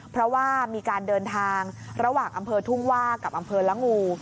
เพราะว่ามีการเดินทางระหว่างอำเภอทุ่งว่ากับอำเภอละงู